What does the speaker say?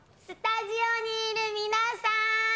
スタジオにいる皆さん！